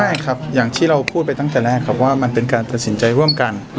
ใช่ครับอย่างที่เราพูดไปตั้งแต่แรกครับว่ามันเป็นการตัดสินใจร่วมกัน